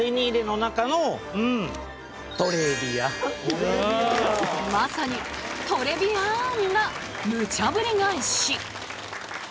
うんまさにトレビアンなムチャぶり返し！